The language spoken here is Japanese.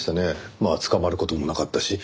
まあ捕まる事もなかったし。